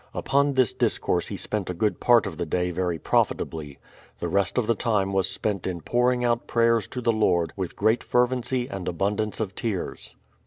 Upon this discourse he spent a good part of the day very profitably. The rest of the time was spent in pouring out prayers to the Lord with great fervency and abundance of tears.